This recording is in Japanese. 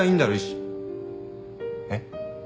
えっ？